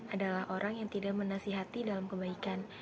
adalah orang yang tidak menasihati dalam kebaikan